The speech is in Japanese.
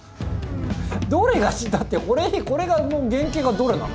どれが？だってこれの原型がどれなの？